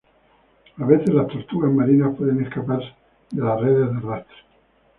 A veces, las tortugas marinas pueden escapar de las redes de arrastre.